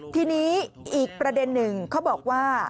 ทีนี้อีกประเด็นหนึ่งเขาบอกว่า